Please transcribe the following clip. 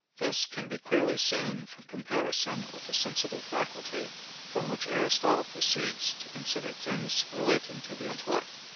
This can be clearly seen from comparison with the sensitive faculty, from which Aristotle proceeds to consider things relating to the intellect.